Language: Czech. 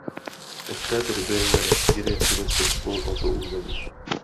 Od této doby vede Sýrie s Tureckem spor o to území.